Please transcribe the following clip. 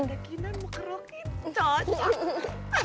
ada kinar mau kerokin cocok